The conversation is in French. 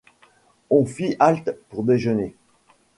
On fit halte pour déjeuner.